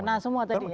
kena semua tadi ya